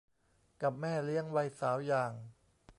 กับแม่เลี้ยงวัยสาวอย่าง